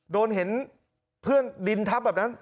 เห็นเพื่อนดินทับแบบนั้น